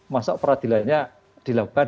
masa peradilannya dilakukan